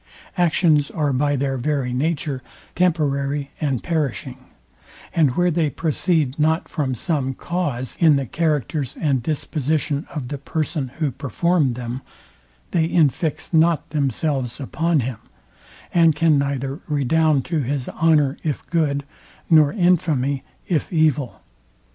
Actions are by their very nature temporary and perishing; and where they proceed not from some cause in the characters and disposition of the person, who performed them, they infix not themselves upon him, and can neither redound to his honour, if good, nor infamy, if evil.